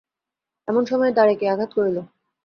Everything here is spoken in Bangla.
এমন সময়ে দ্বারে কে আঘাত করিল।